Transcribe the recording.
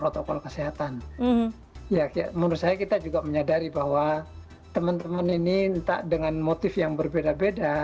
teman teman ini entah dengan motif yang berbeda beda